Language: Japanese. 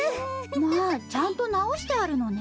まあちゃんとなおしてあるのね。